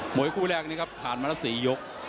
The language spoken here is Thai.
วยคู่แรกนี้ครับผ่านมาแล้ว๔ยก